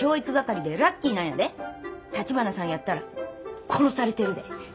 橘さんやったら殺されてるで。